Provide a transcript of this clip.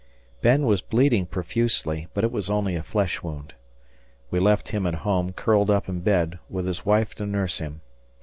Ben was bleeding profusely, but it was only a flesh wound. We left him at home, curled up in bed, with his wife to nurse him.